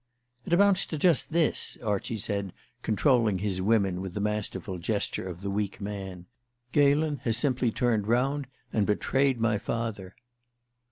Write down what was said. "It amounts to just this," Archie said, controlling his women with the masterful gesture of the weak man. "Galen has simply turned round and betrayed my father."